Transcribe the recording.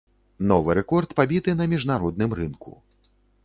Новы рэкорд пабіты на міжнародным рынку.